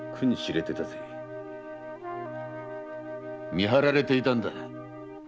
見張られていたんだ。